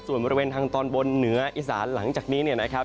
ส่วนบริเวณทางตอนบนเหนืออีสานหลังจากนี้เนี่ยนะครับ